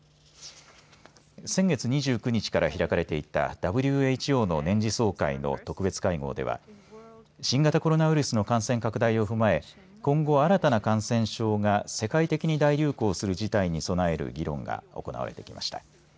先月２９日から開かれていたＷＨＯの年次総会の特別会合では新型コロナウイルスの感染拡大を踏まえ今後、新たな感染症が世界的に大流行する事態に備える議論が行われてきました。